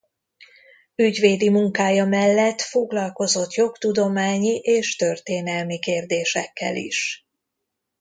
Ügyvédi munkája mellett foglalkozott jogtudományi és történelmi kérdésekkel is.